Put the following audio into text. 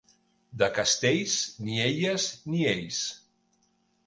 De Castells, ni elles ni ells.